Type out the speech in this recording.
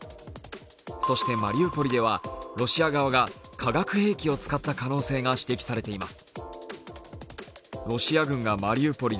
そしてマリウポリではロシア側が化学兵器を使った可能性が指摘されています。